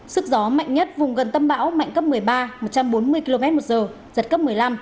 sức gió mạnh nhất vùng gần tâm bão mạnh cấp một mươi ba một trăm bốn mươi kmh giật cấp một mươi năm